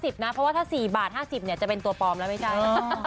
เพราะว่าถ้า๔บาท๕๐จะเป็นตัวปลอมแล้วไม่ใช่